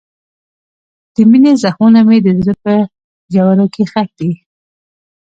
د مینې زخمونه مې د زړه په ژورو کې ښخ دي.